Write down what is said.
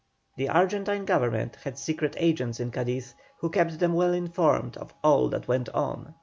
The Argentine Government had secret agents in Cadiz, who kept them well informed of all that went on.